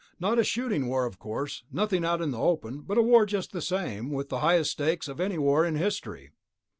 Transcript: Not a shooting war, of course, nothing out in the open ... but a war just the same, with the highest stakes of any war in history.